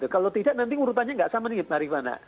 kalau tidak nanti urutannya tidak sama nih maripana